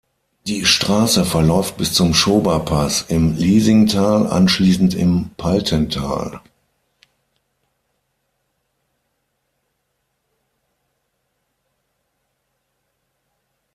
Die Straße verläuft bis zum Schoberpass im Liesingtal, anschließend im Paltental.